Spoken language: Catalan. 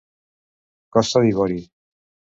Costa d'Ivori.